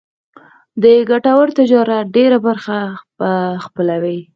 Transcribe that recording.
د ګټور تجارت ډېره برخه به خپلوي.